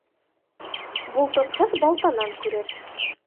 Булдыҡһыҙ балтанан күрер.